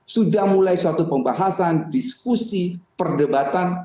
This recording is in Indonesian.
sudah mulai suatu pembahasan diskusi perdebatan